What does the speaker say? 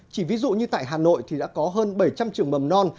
chỉ ví dụ như tại hà nội thì đã có hơn bảy trăm linh trường mầm non